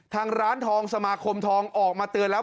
ทางร้านทองสมาคมทองออกมาเตือนแล้ว